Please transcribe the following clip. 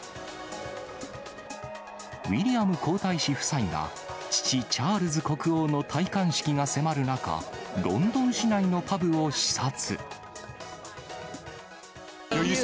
ウィリアム皇太子夫妻が父、チャールズ国王の戴冠式が迫る中、ロンドン市内のパブを視察。